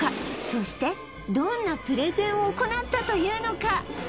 そしてどんなプレゼンを行ったというのか？